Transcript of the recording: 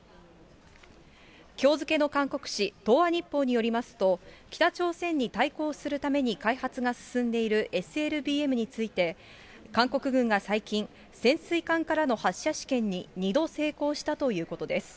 きょう付けの韓国紙、東亜日報によりますと、北朝鮮に対抗するために開発が進んでいるＳＬＢＭについて、韓国軍が最近、潜水艦からの発射試験に２度成功したということです。